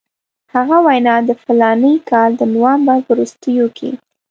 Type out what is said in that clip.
هغه وینا د فلاني کال د نومبر په وروستیو کې.